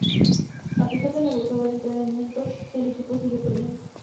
A pesar del agotador entrenamiento, el equipo sigue perdiendo.